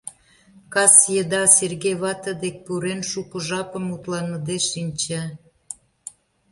Кас еда Серге вате дек пурен, шуко жапым мутланыде шинча.